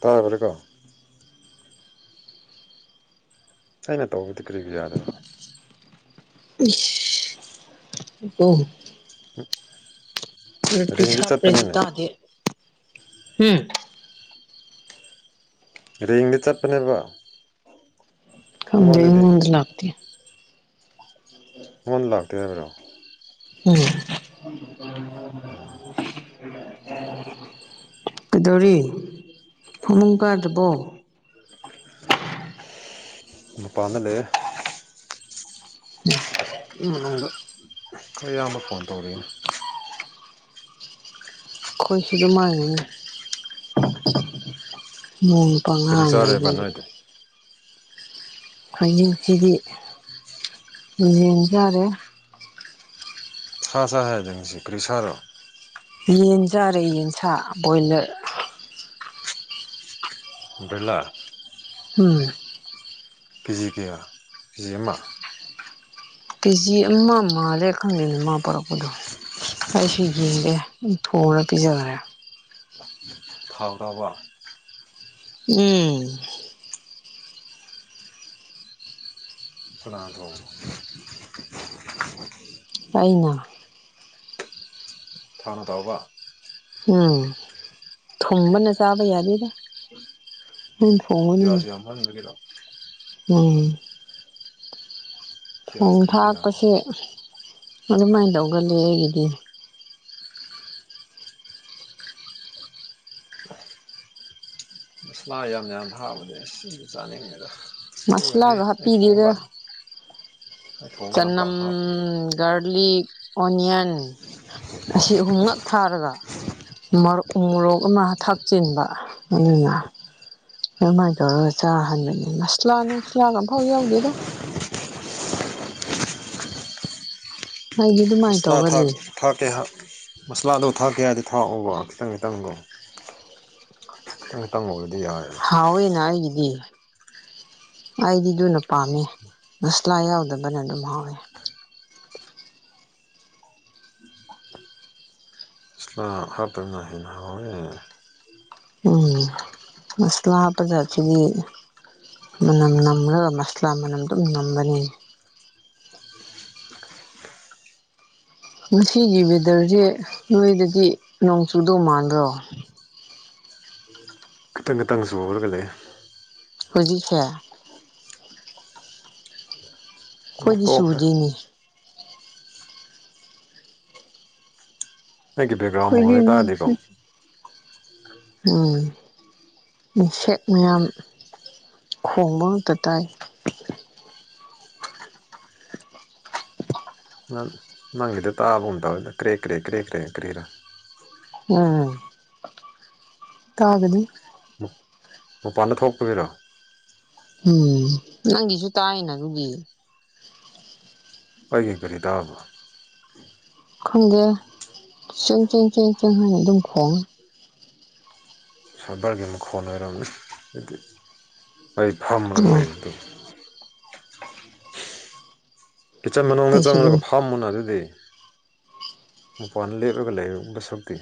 ꯇꯥꯔꯕ꯭ꯔꯥꯀꯣ ꯑꯩꯅ ꯇꯧꯕꯗꯤ ꯀꯔꯤꯒꯤ ꯌꯥꯗꯕꯣ ꯏꯁ ꯑꯣ [inaudible] ꯔꯤꯡꯗꯤ [inaudible] ꯆꯠꯄꯅꯤꯅꯦ ꯇꯥꯗꯦ ꯍꯝ ꯔꯦꯡꯗ ꯆꯠꯄꯅꯦꯕ ꯈꯪꯗꯦ ꯑꯩꯉꯣꯟꯗꯗꯤ ꯃꯅꯨꯡꯗ ꯂꯥꯛꯇꯦ [inaudible] ꯃꯣꯟ ꯂꯥꯛꯇꯤ ꯍꯥꯏꯕ꯭ꯔꯣ ꯎꯝ [inaudible] [inaudible] ꯀꯩꯗꯧꯔꯤ ꯐꯃꯨꯡ ꯀꯥꯗꯔꯕꯣ ꯃꯥꯄꯝꯅ ꯂꯩꯌꯦ [inaudible] ꯏ ꯃꯅꯨꯡꯗ ꯈꯔ ꯑꯌꯥꯝꯕ ꯐꯣꯟ ꯇꯧꯔꯤ ꯈꯣꯏꯁꯨꯗꯨꯝ ꯃꯥꯡꯒꯤꯅꯤ ꯀꯔꯤ ꯆꯥꯔꯦꯕ [unintelligible] ꯅꯣꯏꯗꯤ [unintelligible] ꯁꯥ ꯆꯥꯏ ꯍꯥꯏꯗꯥꯏꯅꯦ ꯉꯁꯤ ꯀ꯭ꯔꯤ ꯁꯥꯥꯔꯣ ꯌꯦꯟ ꯆꯥꯔꯦ ꯌꯦꯟꯁꯥ ꯕꯣꯏꯂꯔ ꯕꯦꯂꯥ ꯍꯝ ꯀꯦꯖꯤ ꯀꯌꯥ ꯀꯦꯖꯤ ꯑꯃꯥ ꯀꯦꯖꯤ ꯑꯃ ꯃꯥꯜꯂꯦ ꯈꯪꯗꯦꯅ ꯃꯥ ꯄꯣꯔꯛꯄꯗꯣ ꯑꯩꯁꯨ ꯌꯦꯡꯗꯦ ꯗꯨꯝ ꯊꯣꯡꯉ ꯄꯤꯖꯈꯔꯦ ꯊꯥꯎ ꯇꯥꯎꯕ ꯎꯝ ꯀꯅꯥꯟ ꯊꯣꯡꯕ ꯑꯩꯅ ꯊꯥꯎꯅ ꯇꯥꯎꯕ ꯎꯝ ꯊꯨꯝꯕꯅ ꯆꯕ ꯌꯥꯗꯦ ꯑꯩꯅ ꯊꯣꯡꯕꯅꯦ [unintelligible] ꯎꯝ ꯄꯤꯌꯥꯁ ꯅꯣꯡ ꯀꯔꯤꯒꯤ ꯌꯥꯝꯕ ꯊꯥꯛꯄꯁꯦ ꯑꯗꯨꯃꯥꯏꯅ ꯇꯧꯒꯜꯂꯤ ꯑꯩꯒꯤꯗꯤ [unintelligible] ꯃꯁꯂꯥꯒ ꯑꯩ ꯊꯣꯡꯕ ꯍꯥꯞꯄꯤꯗꯦꯗ ꯀꯥꯟꯗ ꯑꯩ ꯊꯣꯡꯕ ꯀꯥꯟꯗ ꯄꯥꯛ ꯆꯅꯝ ꯍꯥꯞꯇꯦ ꯒꯥꯔꯂꯤꯛ ꯑꯣꯅꯤꯌꯟ ꯑꯁꯤ ꯑꯍꯨꯝꯂꯛ ꯊꯥꯔꯒ ꯃꯣꯔꯛ ꯎꯃꯣꯔꯣꯛ ꯑꯃ ꯊꯥꯛꯆꯤꯟꯕ ꯑꯗꯨꯅ ꯑꯗꯨꯃꯥꯏꯅ ꯇꯧꯔꯒ ꯆꯥꯍꯟꯕꯅꯦ ꯃꯁꯂꯥ ꯅꯨꯡꯁꯂꯥꯒꯝꯐꯥꯎ ꯌꯎꯗꯦꯗ ꯑꯩꯗꯤ ꯑꯗꯨꯃꯥꯏꯅ ꯃꯁꯂꯥꯥꯛ ꯊꯥꯛ ꯇꯧꯒꯜꯂꯤ ꯊꯥꯛꯀꯦ ꯍꯥꯏ ꯃꯁꯂꯥꯗꯣ ꯊꯥꯛꯀꯦ ꯍꯥꯏꯗꯤ ꯊꯥꯛꯑꯣꯕ ꯈꯤꯇꯪ ꯈꯤꯇꯪꯗꯣ [unintelligible] [unintelligible] ꯍꯥꯎꯌꯦꯅ ꯑꯩꯒꯗꯤ ꯑꯩꯗꯤ ꯑꯗꯨꯅ ꯄꯥꯝꯃꯦ ꯃꯁꯂꯥ ꯌꯥꯎꯗꯕꯅ ꯑꯗꯨꯝ ꯍꯥꯎꯋꯦ [inaudible] ꯎꯝ ꯃꯁꯂꯥ ꯄꯖꯥꯁꯤꯗꯤ ꯃꯅꯝ ꯅꯝꯃꯒ ꯃꯁꯂꯥ ꯃꯅꯝ ꯑꯗꯨꯝ ꯅꯝꯕꯅꯤ ꯉꯁꯤꯒꯤ ꯋꯦꯗꯔꯁꯦ ꯅꯣꯏꯗꯗꯤ ꯅꯣꯡ ꯆꯨꯗꯧ ꯃꯥꯟꯗ꯭ꯔꯣ ꯎꯝ ꯈꯤꯇꯪ ꯉꯇꯪꯁꯨ ꯍꯧꯔꯒꯂꯑꯦ ꯍꯧꯖꯤꯛꯁꯦ ꯑꯃꯨꯛ ꯇꯣꯛꯈ꯭ꯔꯦ ꯑꯩꯈꯣꯏꯒꯤꯁꯨꯗꯤꯅꯦ ꯑꯩꯒꯤ ꯕꯦꯛꯒ꯭ꯔꯥꯎ ꯑꯩꯈꯣꯏꯗꯤ ꯃꯈꯜ ꯍꯥꯏꯇꯥꯔꯗꯤꯀꯣ ꯎ ꯃꯤꯁꯦꯛ ꯃꯌꯥꯝ ꯈꯣꯡꯕ ꯉꯥꯛꯇ ꯇꯥꯏ ꯅꯪ ꯅꯪꯒꯤꯗꯣ ꯇꯥꯕꯒꯨꯝ ꯇꯧꯋꯦꯗ ꯀ꯭ꯔꯦꯛ ꯀ꯭ꯔꯦꯛ ꯀ꯭ꯔꯦꯛ ꯀ꯭ꯔꯦ ꯀ꯭ꯔꯦꯛ ꯈꯔꯥ ꯎꯝ ꯇꯥꯒꯗꯤ ꯃꯄꯥꯟꯗ ꯊꯣꯛꯇꯕꯤꯔꯣ ꯎꯝ ꯅꯪꯒꯤꯁꯨ ꯇꯥꯏꯅ ꯑꯗꯨꯒꯤ ꯑꯩꯒꯤ ꯀꯔꯤ ꯇꯥꯕ ꯈꯪꯗꯦ ꯁꯤꯡꯁꯤꯡꯆꯤꯡ ꯆꯤꯡ ꯍꯥꯏꯅ ꯑꯗꯨꯝ ꯈꯣꯡꯉꯤ ꯁꯥꯏꯕꯔꯒꯤ ꯃꯈꯣꯟ ꯑꯣꯏꯔꯝꯃꯤ ꯍꯥꯏꯗꯤ ꯐꯝꯂꯒ ꯎꯝ ꯂꯩꯕꯗꯨ ꯀꯤꯠꯆꯟ ꯃꯅꯨꯡꯗ ꯑꯩꯁꯨ ꯑꯗꯨꯝ ꯆꯪꯂꯒ ꯐꯥꯝꯃꯨꯅ ꯑꯗꯨꯗꯤ ꯃꯄꯥꯟꯗ ꯂꯦꯞꯂꯒ ꯂꯩꯔꯕ ꯁꯛꯇꯤ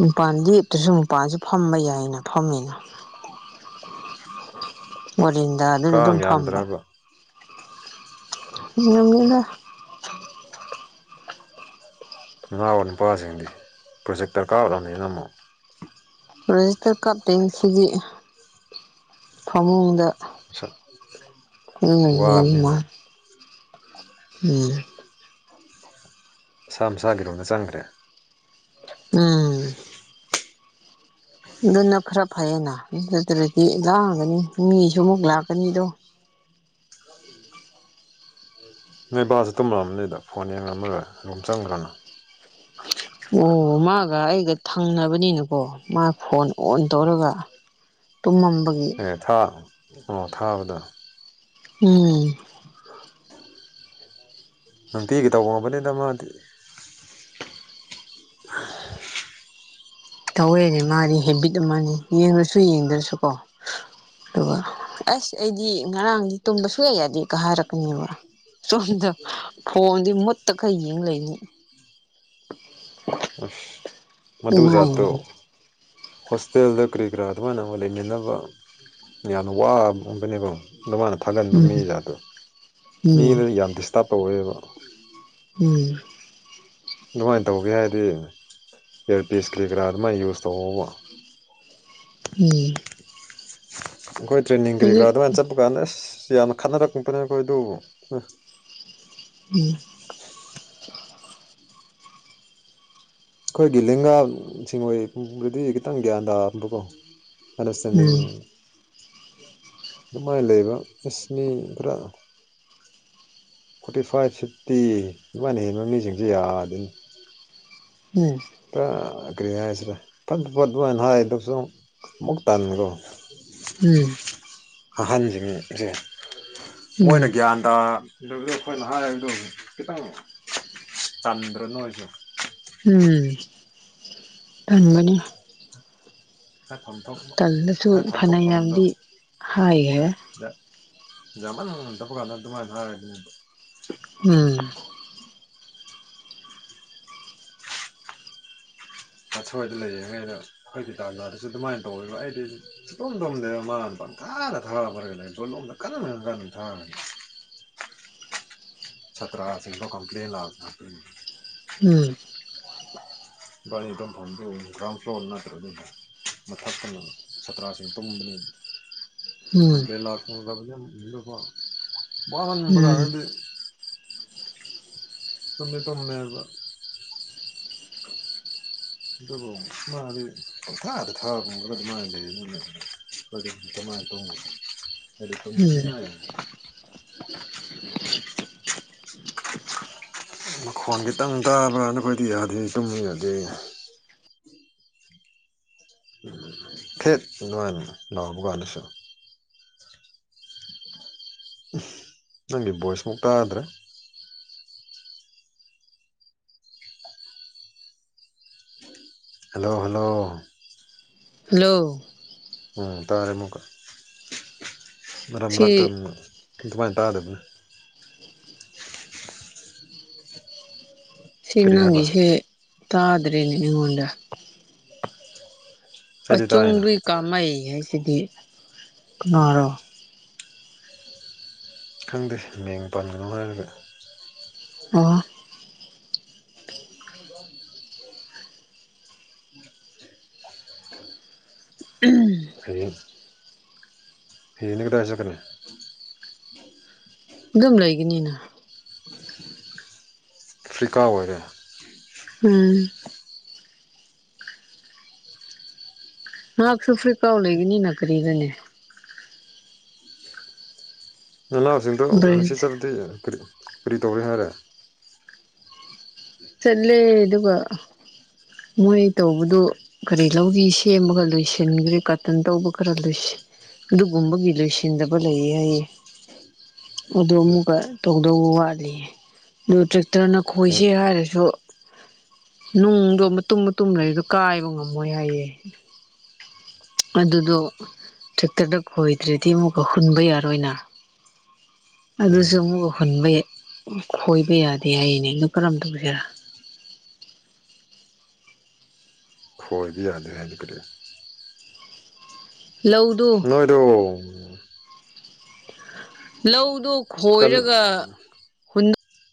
ꯃꯄꯥꯟ ꯂꯦꯞꯇ꯭ꯔꯁꯨ ꯃꯄꯥꯜꯁꯨ ꯐꯝꯕ ꯌꯥꯏꯅ ꯐꯝꯃꯦꯅ ꯃꯔꯤꯟꯗ ꯑꯗꯨꯅ ꯑꯗꯨꯝ ꯀꯥꯡ ꯐꯝꯕ ꯌꯥꯝꯗ꯭ꯔꯕ [inaudible] ꯅꯉꯥ ꯑꯣꯏ ꯅꯨꯄꯥꯁꯤꯡꯗꯤ ꯄ꯭ꯔꯣꯖꯦꯛ ꯗꯔꯀꯥꯔ ꯑꯣꯏꯠꯂꯅꯤꯅ ꯑꯃꯨꯛ ꯔꯦꯖꯤꯁꯇꯔ ꯀꯥꯔ ꯇꯦꯡꯁꯤꯒꯤ ꯐꯃꯨꯡꯗ ꯎꯝ ꯋꯥꯕꯅꯤꯅ ꯎꯝ ꯁꯥ ꯑꯃ ꯁꯥꯒꯤꯔꯣꯅ ꯆꯪꯈ꯭ꯔꯦ ꯎꯝ [inaudible] ꯑꯗꯨꯅ ꯈꯔ ꯐꯩꯌꯦꯅ ꯑꯗꯨ ꯑꯗꯨꯗꯨꯗꯤ ꯂꯥꯛꯑꯒꯅꯤ ꯃꯤꯁꯨ ꯑꯃꯨꯛ ꯂꯥꯛꯀꯅꯤꯗꯣ ꯅꯣꯏ ꯄꯕꯥꯁꯨ ꯇꯨꯝꯃꯑꯕꯅꯤꯗ ꯐꯣꯟ ꯌꯦꯡꯉꯝꯃꯔꯣꯏ ꯑꯗꯨꯝ ꯆꯪꯈ꯭ꯔꯅꯨ ꯑꯣ ꯃꯥꯒ ꯑꯩꯒ ꯊꯪꯅꯕꯅꯤꯅꯀꯣ ꯃꯥ ꯐꯣꯟ ꯑꯣꯟ ꯇꯧꯔꯒ ꯇꯨꯝꯃꯝꯕ ꯑꯦ ꯊꯥ ꯑꯣ ꯊꯥꯕꯗꯣ ꯎꯝ ꯅꯨꯡꯄꯤꯤꯒꯦ ꯇꯧꯕ ꯉꯝꯕꯅꯤꯗ ꯃꯥꯗꯤ ꯇꯧꯋꯦꯅꯦ ꯃꯥꯗꯤ ꯍꯦꯕꯤꯠ ꯑꯃꯅꯤ ꯌꯦꯡꯉꯁꯨ ꯌꯦꯡꯗ꯭ꯔꯁꯨꯀꯣ ꯑꯗꯨꯒ ꯑꯁ ꯑꯩꯗꯤ ꯉꯔꯥꯡꯗꯤ ꯇꯨꯝꯕ ꯁꯨꯌꯥ ꯌꯥꯗꯦ ꯀꯥ ꯍꯥꯏꯔꯛꯀꯅꯦꯕ ꯁꯣꯝꯗ ꯈꯣꯡꯗꯤ ꯃꯨꯠꯇ ꯈꯩꯌꯦꯡ ꯂꯩꯅꯤ ꯑꯁ ꯃꯗꯨ ꯖꯥꯠꯇꯨ ꯅꯨꯡꯉꯥꯏꯅꯤ ꯍꯣꯁꯇꯦꯜꯗ ꯀꯔꯤ ꯀꯔꯥ ꯑꯗꯨꯃꯥꯏꯅ ꯑꯃ ꯂꯩꯃꯤꯅꯕ ꯌꯥꯝꯅ ꯋꯥꯕ ꯑꯝꯕꯅꯦꯕꯣ ꯑꯗꯨ ꯃꯥꯅ ꯊꯥꯒꯟꯕ ꯎꯝ ꯃꯤ ꯖꯥꯗꯣ ꯎꯝ ꯃꯤꯗꯨꯗꯤ ꯌꯥꯝ ꯗꯤꯁꯇꯥꯔꯕ ꯇꯧꯋꯦꯕ ꯎꯝ ꯑꯗꯨꯃꯥꯏꯅ ꯇꯧꯒꯦ ꯍꯥꯏꯗꯤ ꯏꯌꯥꯔꯄꯤꯤꯁ ꯀꯔꯤ ꯀꯔꯥ ꯑꯗꯨꯃꯥꯏꯅ ꯌꯨꯁ ꯇꯧꯍꯧꯕ ꯎꯝ ꯑꯩꯈꯣꯏ ꯇ꯭ꯔꯦꯟꯅꯤꯡ ꯀꯔꯤ ꯀꯔꯥ ꯍꯧꯖꯤꯛ ꯑꯗꯨꯃꯥꯏꯅ ꯆꯠꯄ ꯀꯥꯟꯗ ꯑꯁ ꯌꯥꯝꯅ ꯈꯠꯅꯔꯛꯄꯅꯦ ꯑꯩꯈꯣꯏ ꯑꯗꯨꯕꯨ ꯎꯝ ꯑꯩꯈꯣꯏꯒꯤ ꯂꯦꯡꯒꯥ ꯁꯤꯡ ꯑꯣꯏꯣꯏꯗꯨꯗꯤ ꯈꯤꯇꯪ ꯒ꯭ꯌꯥꯟ ꯇꯥꯝꯕꯀꯣ ꯑꯟꯗꯔꯁꯇꯦꯟꯗꯤꯡ ꯎꯝ ꯑꯗꯨꯃꯥꯏꯅ ꯂꯩꯕ ꯏꯁꯅꯤ ꯄꯨꯔꯥ ꯐꯣꯔꯇꯤ ꯐꯥꯏꯚ ꯐꯤꯐꯇꯤ ꯏꯃꯥꯏꯅ ꯍꯦꯟꯕ ꯃꯤꯁꯤꯡꯁꯦ ꯌꯥꯗꯅꯤ ꯎꯝ ꯄꯨꯔ ꯀꯔꯤ ꯍꯥꯏꯁꯤꯔꯦ ꯐꯠ ꯐꯠꯇꯨꯅ ꯍꯥꯏꯗꯨꯁꯨ ꯑꯃꯨꯛ ꯇꯟꯈꯣ ꯎꯝ ꯑꯍꯟꯁꯤꯡꯁꯦ ꯃꯣꯏꯅ ꯎꯝ ꯒ꯭ꯌꯥꯟꯗ ꯑꯗꯨꯒꯤ ꯑꯩꯈꯣꯏꯅ ꯍꯥꯏꯕꯗꯣ ꯈꯤꯇꯪ ꯆꯟꯗ꯭ꯔꯣ ꯅꯣꯏꯁꯨ ꯎꯝ ꯊꯪꯒꯅꯤ ꯍꯥꯏꯐꯝ ꯊꯣꯛꯄ ꯇꯜꯗꯁꯨ ꯍꯥꯏꯐꯝ ꯊꯣꯛꯐꯝꯗꯣ ꯐꯅꯌꯥꯝꯗꯤ ꯍꯥꯏꯈ꯭ꯔꯦ ꯌꯥꯃꯥꯟ ꯅ ꯇ ꯀꯥꯏ [unintelligible] ꯎꯝ ꯑꯁꯣꯏꯗ ꯂꯩꯔꯤꯉꯩꯩꯅ ꯑꯩꯈꯣꯏꯒꯤ ꯇꯥꯟꯖꯥꯗꯨꯁꯨ ꯑꯗꯨꯃꯥꯏꯅ ꯇꯧꯋꯕ ꯑꯩꯗꯤ ꯁꯨꯇꯣꯝ ꯇꯣꯝꯗꯦꯕ ꯃꯥꯅ ꯄꯝꯊꯥꯅ ꯊꯥꯔꯒꯣꯂꯣꯝꯗ ꯀꯟꯅ ꯑꯗꯨꯝ ꯊꯥꯔꯅꯤ ꯁꯇ꯭ꯔꯥꯁꯤꯡꯗꯣ ꯀꯝꯄ꯭ꯂꯦꯟ ꯂꯥꯛꯄ ꯑꯗꯨꯏꯅꯤ ꯎꯝ ꯕꯥꯅꯤꯗꯝ ꯐꯝꯗꯨ ꯭ꯔꯥꯎꯟ ꯐ꯭ꯂꯣꯅꯠꯇ꯭ꯔꯗꯤ ꯃꯊꯛꯇꯅ ꯁꯥꯇ꯭ꯔꯥꯁꯤꯡ ꯇꯨꯝꯕꯅꯤ ꯑ ꯎꯝ ꯂ ꯟꯝꯕꯔ ꯎꯝ ꯍꯥꯏꯗꯤ ꯇꯨꯝꯃꯦ ꯇꯨꯝꯃꯦꯕ ꯑꯗꯨꯕꯨ ꯃꯥꯗꯤ ꯄꯪꯊꯥꯗ ꯊꯥꯕꯗꯤ ꯑꯗꯨꯃꯥꯏ ꯂꯩꯕ꯭ꯔꯅꯦ ꯑꯗꯨꯗꯤ ꯀꯃꯥꯏ ꯇꯧꯅꯤ ꯑꯩꯗꯤ ꯇꯨꯝꯕ ꯎꯝ ꯁꯨꯡꯌꯥ ꯌꯥꯗꯦ ꯃꯈꯣꯟ ꯈꯤꯇꯪ ꯇꯥꯕ ꯅꯈꯣꯏꯗꯤ ꯌꯥꯗꯤ ꯇꯨꯝꯕ ꯌꯥꯗꯩ ꯐꯦꯠ ꯅꯣꯏꯜ ꯂꯥꯎꯕꯀꯥꯟꯗꯁꯨ ꯅꯪꯒꯤ ꯚꯣꯏꯁꯃꯨꯛ ꯇꯥꯗ꯭ꯔꯦ ꯍꯜꯂꯣ ꯍꯜꯂꯣ ꯍꯜꯂꯣ ꯎꯝ ꯇꯥꯔꯦ ꯑꯃꯨꯛꯀ ꯃꯔꯛ ꯃꯔꯛꯇ ꯁꯤ ꯑꯗꯨꯃꯥꯏꯅ ꯇꯥꯗꯕꯅꯤ ꯁꯤ ꯀꯔꯤ ꯍꯥꯏꯕ ꯅꯪꯒꯤꯁꯦ ꯇꯥꯗ꯭ꯔꯦꯅꯦ ꯑꯩꯉꯣꯟꯗ ꯑꯩꯗꯤ ꯇꯥꯏꯅ ꯑꯆꯨꯡꯗꯨ ꯀꯥꯅꯩ ꯍꯥꯏꯁꯤꯗꯤ ꯀꯅꯥꯔ ꯈꯪꯗꯦ ꯃꯤꯡ ꯄꯟꯒꯅꯣ ꯍꯥꯏꯔꯒ ꯑ ꯐꯤ ꯐꯤꯅꯤ ꯀꯗꯥꯥꯏ ꯆꯠꯀꯅꯤ ꯗꯨꯝ ꯂꯩꯒꯅꯤꯅ ꯑꯐ꯭ꯔꯤꯀꯥ ꯑꯣꯏꯔꯦ ꯎꯝ ꯃꯍꯥꯛꯁꯨ ꯐꯔꯤꯀꯥꯎ ꯂꯩꯒꯅꯤꯅ ꯀꯔꯤꯔꯅꯦ ꯅꯅꯥꯎꯁꯤꯡꯗꯣ ꯕ꯭ꯔꯦꯟ ꯃꯤꯦꯛꯁꯤꯆꯔꯗꯤ ꯀꯔꯤ ꯀꯔꯤ ꯇꯧꯔꯤ ꯍꯥꯏꯔꯦ ꯆꯠꯂꯦ ꯑꯗꯨꯒ ꯃꯣꯏ ꯇꯧꯕꯗꯨ ꯀꯔꯤ ꯂꯧꯔꯤ ꯁꯦꯝꯕꯒ ꯂꯣꯏꯁꯤꯟꯒ꯭ꯔꯦ ꯀꯇꯨꯟ ꯇꯧꯕ ꯈꯔ ꯂꯣꯏꯁꯤꯟ ꯑꯗꯨꯒꯨꯝꯕꯒꯤ ꯂꯣꯏꯁꯤꯟꯗꯕ ꯂꯩꯌꯦ ꯍꯥꯏꯌꯦ ꯑꯗꯨ ꯑꯃꯨꯛꯀ ꯇꯧꯗꯧꯕ ꯋꯥꯠꯂꯤ ꯑꯗꯨ ꯇ꯭ꯔꯦꯛꯇꯔꯅ ꯈꯣꯏꯁꯦ ꯍꯌꯦꯡ ꯍꯥꯏꯔꯁꯤ ꯁꯨ ꯅꯨꯡꯗꯣ ꯃꯇꯨꯝ ꯃꯇꯨꯝ ꯂꯩꯔꯤꯗ ꯀꯥꯏꯕ ꯉꯝꯃꯣꯏ ꯍꯥꯏꯌꯦ ꯑꯗꯨꯗꯣ ꯇ꯭ꯔꯦꯛꯇꯔꯗꯣ ꯈꯣꯏꯗ꯭ꯔꯗꯤ ꯑꯃꯨꯛꯀ ꯍꯨꯟꯕ ꯌꯥꯔꯣꯏꯅ ꯑꯗꯨꯁꯨ ꯎꯝ ꯑꯃꯨꯛ ꯍꯨꯟꯕ ꯈꯣꯏꯕ ꯌꯥꯗꯦ ꯍꯥꯏꯅꯦ ꯑꯗꯨ ꯀꯔꯝ ꯇꯧꯁꯤꯔꯥ ꯀꯣꯏꯕ ꯌꯥꯗ꯭ꯔꯦ ꯍꯥꯏꯖꯤ ꯀꯔꯤ ꯂꯧꯗꯨ ꯅꯣꯏꯗꯣ ꯂꯧꯗꯨꯛ ꯀꯟ ꯍꯣꯏꯔꯒ